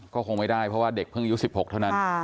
ก็คงไม่ได้เพราะว่าเด็กเพิ่งอายุ๑๖เท่านั้น